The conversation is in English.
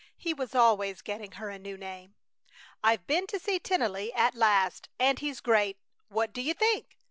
He was always getting her a new name]: "I've been to see Tennelly at last, and he's great! What do you think?